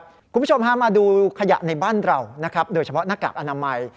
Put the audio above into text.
คุณผู้ชมห้ามมาดูขยะในบ้านเราโดยเฉพาะหน้ากากอนามัย